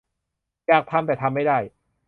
อยากทำ แต่ทำไม่ได้